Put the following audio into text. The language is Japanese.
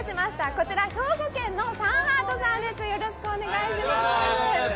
こちら兵庫県のサンハートさんです。